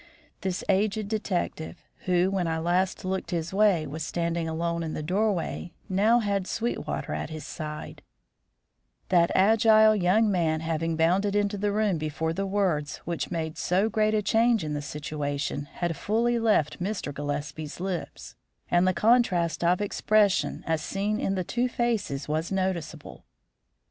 This aged detective, who, when I last looked his way, was standing alone in the doorway, now had Sweetwater at his side, that agile young man having bounded into the room before the words which had made so great a change in the situation had fully left Mr. Gillespie's lips; and the contrast of expression as seen in the two faces was noticeable.